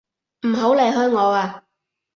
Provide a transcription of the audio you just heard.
唔好離開我啊！